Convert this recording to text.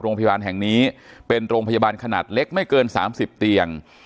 โรงพยาบาลแห่งนี้เป็นโรงพยาบาลขนาดเล็กไม่เกิน๓๐เตียง